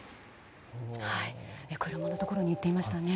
車のところに行ってましたね。